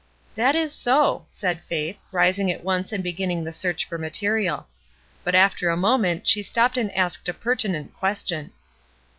"That is so," said Faith, rising at once and beginning the search for material. But after a moment she stopped and asked a pertinent question.